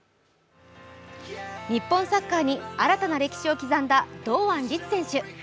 日本サッカーに新たな歴史を刻んだ堂安律選手。